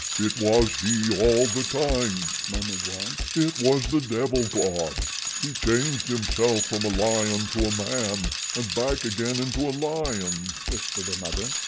"It was he all the time," murmured one. "It was the devil god." "He changed himself from a lion to a man, and back again into a lion," whispered another.